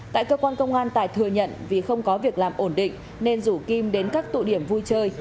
tại cơ quan công an tài thừa nhận vì không có việc làm ổn định nên rủ kim đến các tụ điểm vui chơi